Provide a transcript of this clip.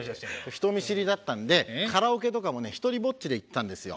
人見知りだったんでカラオケとかもね独りぼっちで行ってたんですよ。